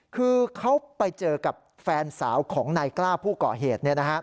คือเขาไปเจอกับแฟนสาวของนายกล้าผู้ก่อเหตุ